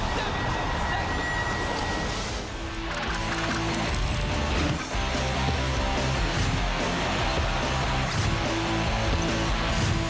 เป็นขั้นขุมที่๗๐แสง